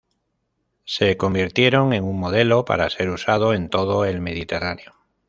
Se convirtieron en un modelo para ser usado en todo el Mediterráneo.